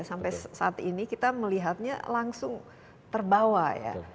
sampai saat ini kita melihatnya langsung terbawa ya